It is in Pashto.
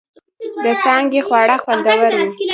د څانگې خواړه خوندور و.